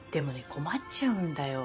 困っちゃうんだよ。